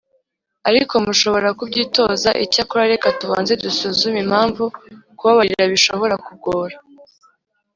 Ariko mushobora kubyitoza Icyakora reka tubanze dusuzume impamvu kubabarira bishobora kugora